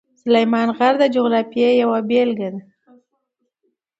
سلیمان غر د جغرافیې یوه بېلګه ده.